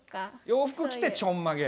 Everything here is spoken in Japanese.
洋服着てちょんまげ？